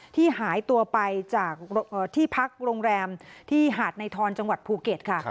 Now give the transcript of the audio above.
หายตัวไปจากที่พักโรงแรมที่หาดในทรจังหวัดภูเก็ตค่ะ